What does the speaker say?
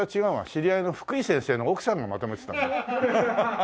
知り合いのフクイ先生の奥さんがまとめてたんだ。